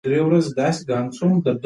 الوتکه د نوي پرواز لپاره چمتووالی نیسي.